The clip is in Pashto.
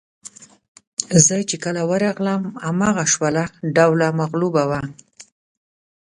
زه چې کله ورغلم هماغه شوله ډوله مغلوبه وه.